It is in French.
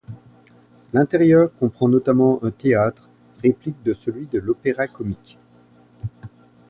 L'intérieur comprend notamment un théâtre, réplique de celui de l'Opéra-Comique.